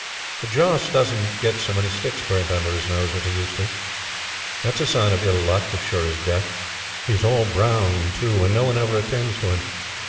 The Joss doesn't get so many sticks burnt under his nose as he used to; that's a sign of ill luck, as sure as Death. He's all brown, too, and no one ever attends to him.